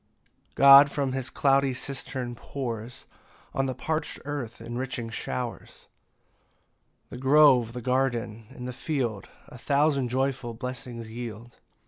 9 God from his cloudy cistern, pours On the parch'd earth enriching showers; The grove, the garden, and the field A thousand joyful blessings yield.